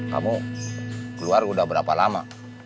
kamu keluar udah berapa lama